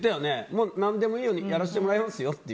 もう何でもいいよでやらせてもらいますよって。